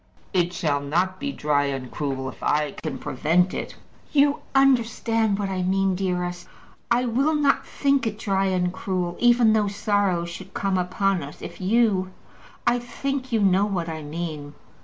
"It shall not be dry and cruel, if I can prevent it." "You understand what I mean, dearest. I will not think it dry and cruel, even though sorrow should come upon us, if you I think you know what I mean."